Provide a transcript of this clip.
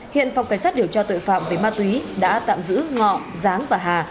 hiện phòng cảnh sát điều tra tội phạm về ma túy đã tạm giữ ngọ giáng và hà